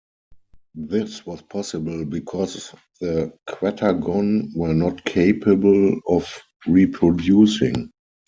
This was possible because the Qattagon were not capable of reproducing.